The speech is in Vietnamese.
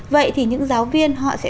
vậy thì những giáo viên họ sẽ